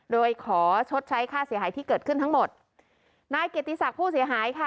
โดยขอชดใช้ค่าเสียหายที่เกิดขึ้นทั้งหมดนายเกียรติศักดิ์ผู้เสียหายค่ะ